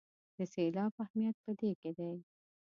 د سېلاب اهمیت په دې کې دی.